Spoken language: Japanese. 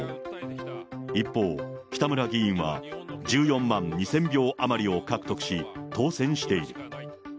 一方、北村議員は１４万２０００票余りを獲得し、当選している。